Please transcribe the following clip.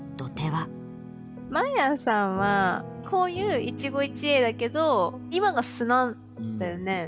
マヤさんはこういう一期一会だけど今が素なんだよね？